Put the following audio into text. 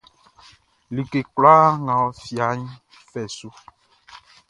Like kloi nʼga fia fai su.